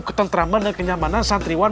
ketentraman adalah kenyamanan santriwan